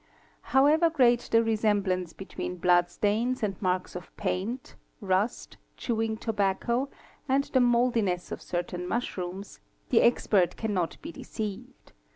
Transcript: However great the resemblance between blood stains and marks of paint, rust 964865 chewing tobacco, and the mouldiness of certain mush rooms, the expert cannot be deceived.